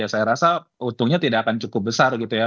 saya rasa untungnya tidak akan cukup besar gitu ya